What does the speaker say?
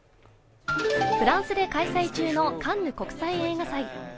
フランスで開催中のカンヌ国際映画祭。